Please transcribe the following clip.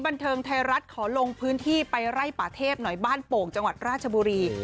บันเทิงไทยรัฐขอลงพื้นที่ไปไล่ป่าเทพหน่อยบ้านโป่งจังหวัดราชบุรี